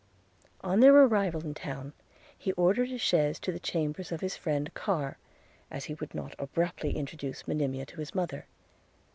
On their arrival in town, he ordered the chaise to the chambers of his friend Carr, as he would not abruptly introduce Monimia to his mother.